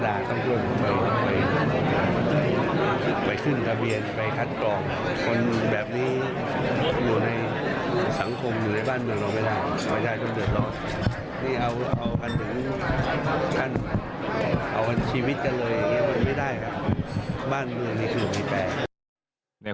บ้านเมืองนี้คืออย่างนี้แปลก